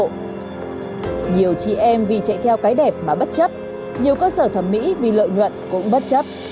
nhiều chị em vì chạy theo cái đẹp mà bất chấp nhiều cơ sở thẩm mỹ vì lợi nhuận cũng bất chấp